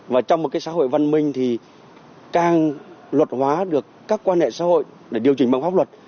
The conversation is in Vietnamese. và trong một cái xã hội văn minh thì càng luật hóa được các quan hệ xã hội để điều chỉnh bằng pháp luật